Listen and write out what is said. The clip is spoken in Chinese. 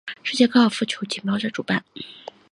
世界高尔夫球锦标赛主办。